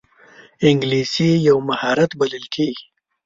انګلیسي یو مهارت بلل کېږي